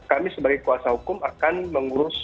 maka kami sebagai kuasa hukum kita tidak akan mengurus izin